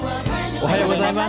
おはようございます。